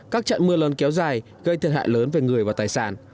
các trận mưa lớn kéo dài gây thiệt hại lớn về người và tài sản